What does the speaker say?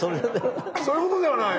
そういうことではない？